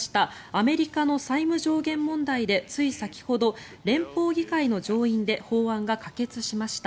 アメリカの債務上限問題でつい先ほど連邦議会の上院で法案が可決されました。